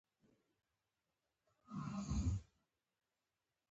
په هند کې د پارسي شعر ژبه پیچلې شوه